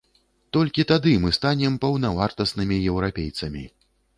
Толькі тады мы станем паўнавартаснымі еўрапейцамі.